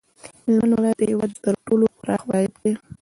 هلمند ولایت د هیواد تر ټولو پراخ ولایت دی